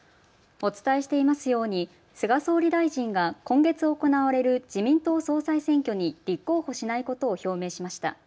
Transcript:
お伝えしていますように菅総理大臣が今月行われる自民党総裁選挙に立候補しないことを表明しました。